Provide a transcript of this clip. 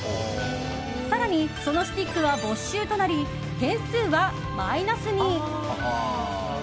更にそのスティックは没収となり点数はマイナスに。